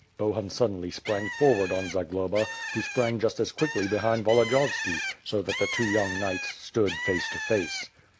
Bohun suddenly sprang forward on Zagloba, who sprang just as quickly behind Volodiyovski, so that the two young knights stood face to face.